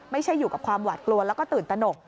ไม่ใช่อยู่กับความหวาดกลัวแล้วก็ตื่นตนก